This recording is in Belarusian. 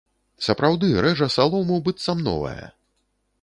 Сапраўды, рэжа салому, быццам новая.